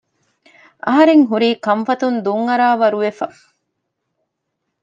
އަހަރެންހުރީ ކަންފަތުން ދުން އަރާވަރު ވެފަ